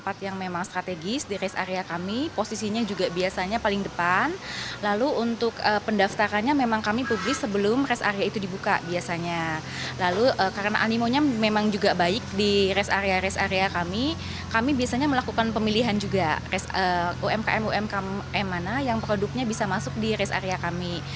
pada res area kami kami biasanya melakukan pemilihan juga umkm umkm mana yang produknya bisa masuk di res area kami